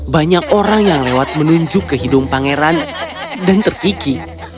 banyak orang yang lewat menunjuk ke hidung pangeran dan terkiki